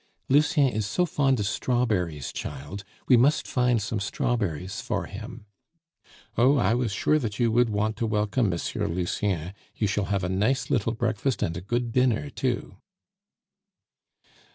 "Lucien is so fond of strawberries, child, we must find some strawberries for him." "Oh, I was sure that you would want to welcome M. Lucien; you shall have a nice little breakfast and a good dinner, too."